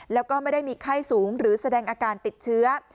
แล้วก็ไม่ได้มีไข้สูงหรือแสดงอาการติดเชื้อ